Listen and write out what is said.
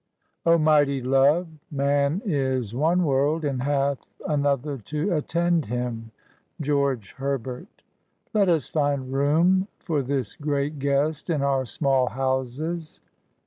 " O mighty love I Man is one woxld and hath Another to attend him 1 " Oborob Hbrbbiit. > Let us find room for this great guoBt in our small houses."